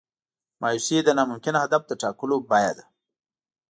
مایوسي د ناممکن هدف د ټاکلو بیه ده.